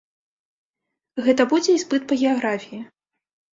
Гэта будзе іспыт па геаграфіі.